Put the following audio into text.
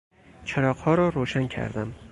چراغها را روشن کردم.